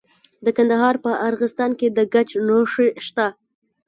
د کندهار په ارغستان کې د ګچ نښې شته.